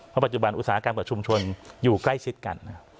เพราะปัจจุบันอุตสาหกรรมกับชุมชนอยู่ใกล้ชิดกัน